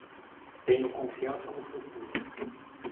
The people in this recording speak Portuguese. Tenho confiança no futuro